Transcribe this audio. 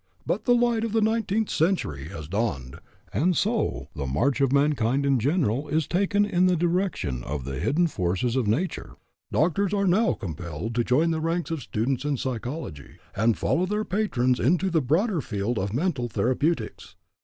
But the light of the nineteenth century has dawned, and so the march of mankind in general is taken in the direction of the hidden forces of nature. Doctors are now compelled to join the ranks of students in psychology and follow their patrons into the broader field of mental therapeutics.